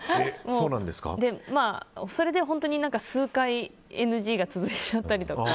それで本当に数回ＮＧが続いちゃったりとか。